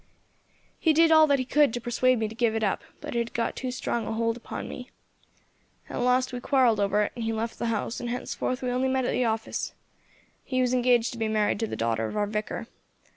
"He did all that he could to persuade me to give it up, but it had got too strong a hold upon me. At last we quarrelled over it, and he left the house, and henceforth we only met at the office. He was engaged to be married to the daughter of our Vicar.